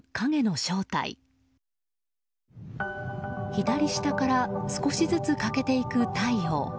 左下から少しずつ欠けていく太陽。